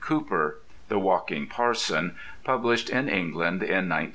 Cooper, "the walking parson," published in England in 1910.